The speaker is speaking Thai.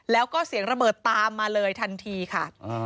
แล้วก็เสียงระเบิดตามมาเลยทันทีค่ะ